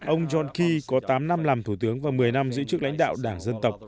ông john kyi có tám năm làm thủ tướng và một mươi năm giữ chức lãnh đạo đảng dân tộc